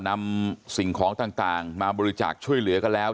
นำสิ่งของต่างมาบริจาคช่วยเหลือกันแล้ว